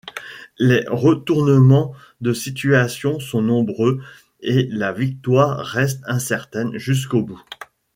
Les retournements de situation sont nombreux et la victoire reste incertaine jusqu'au bout.